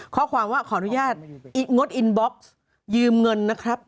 ข้อความว่าขออนุญาตงดอินบ็อกซ์ยืมเงินนะครับ